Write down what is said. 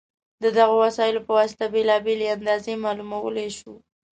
د دغو وسایلو په واسطه بېلابېلې اندازې معلومولی شو.